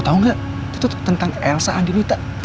lo tau gak itu tentang elsa andi lita